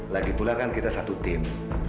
lagipula kan kita satu tim